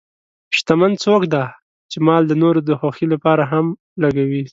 شتمن څوک دی چې مال د نورو خوښۍ لپاره هم لګوي.